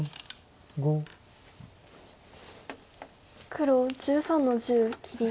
黒１３の十切り。